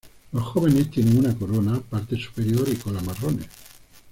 Los jóvenes tienen una corona, parte superior y cola marrones.